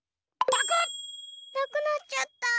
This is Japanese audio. ・なくなっちゃった！